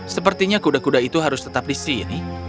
sepertinya kuda kuda itu harus tetap di sini